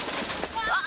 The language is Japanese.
あっ！！